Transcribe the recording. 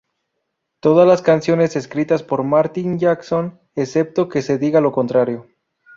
Todas las canciones escritas por Martin Johnson excepto que se diga lo contrario.